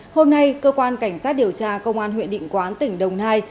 hôm nay cơ quan cảnh sát điều tra công an huyện định quán tỉnh đồng nai